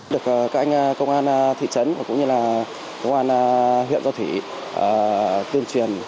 được các anh công an thị trấn và cũng như là công an huyện giao thủy tuyên truyền